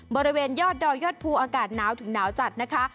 บริเวณยอดดอยยอดภูอากาศหนาวถึงหนาวจัดนะคะ